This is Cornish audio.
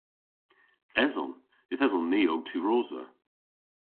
Eson. Yth eson ni ow tiwrosa.